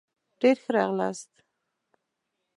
ډېر ښه راغلاست